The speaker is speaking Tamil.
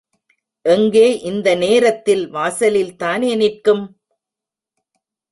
எங்கே இந்த நேரத்தில் வாசலில்தானே நிற்கும்?